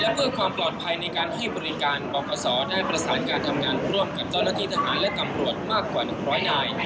และเพื่อความปลอดภัยในการให้บริการปปศได้ประสานการทำงานร่วมกับเจ้าหน้าที่ทหารและตำรวจมากกว่า๑๐๐นาย